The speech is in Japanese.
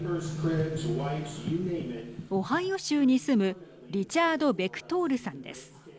オハイオ州に住むリチャード・ベクトールさんです。